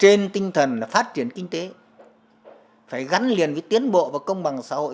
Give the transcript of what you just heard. trên tinh thần là phát triển kinh tế phải gắn liền với tiến bộ và công bằng xã hội